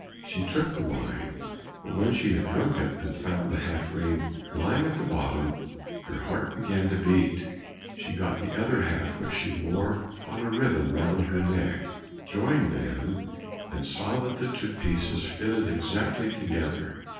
She took the wine, but when she had drunk it, and found the half ring lying at the bottom, her heart began to beat. She got the other half, which she wore on a ribbon round her neck, joined them, and saw that the two pieces fitted exactly together.